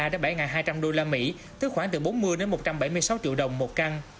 đến bảy hai trăm linh usd tức khoảng từ bốn mươi một trăm bảy mươi sáu triệu đồng một căn